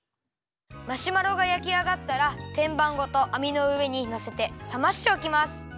マシュマロがやきあがったらてんばんごとあみのうえにのせてさましておきます。